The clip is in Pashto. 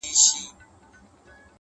د زړه په هر درب كي مي ته اوســېږې!